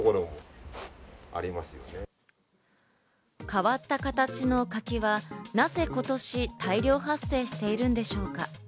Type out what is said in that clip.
変わった形の柿は、なぜ今年、大量発生しているんでしょうか？